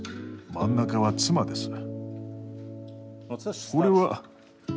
真ん中は妻です。